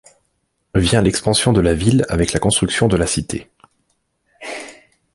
Vient l’expansion de la ville avec la construction de la cité.